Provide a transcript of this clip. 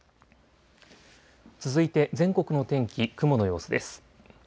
続いて全国の天気、雲の様子です。